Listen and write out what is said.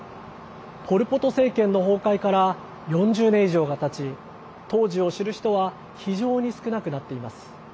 ポル・ポト政権の崩壊から４０年以上がたち当時を知る人は非常に少なくなっています。